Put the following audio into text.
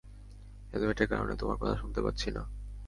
হেলমেটের কারণে তোমার কথা শুনতে পাচ্ছি না।